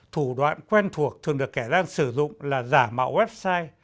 thủ đoạn quen thuộc thường được kẻ gian sử dụng là giả mạo website